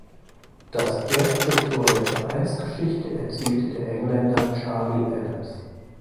Das erste Tor der Vereinsgeschichte erzielte der Engländer Charlie Adams.